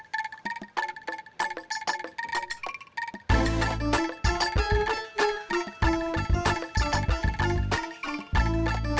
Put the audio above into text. jangan unzik dasar anggaran gak akan hubungi steak ah